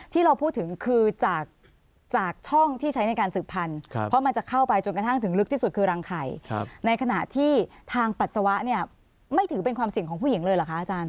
ที่เราพูดถึงคือจากช่องที่ใช้ในการสืบพันธุ์เพราะมันจะเข้าไปจนกระทั่งถึงลึกที่สุดคือรังไข่ในขณะที่ทางปัสสาวะเนี่ยไม่ถือเป็นความเสี่ยงของผู้หญิงเลยเหรอคะอาจารย์